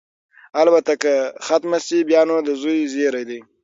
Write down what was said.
البته که ختمه شي، بیا نو د زوی زېری دی.